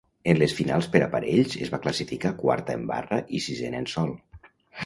En les finals per aparells es va classificar quarta en barra i sisena en sòl.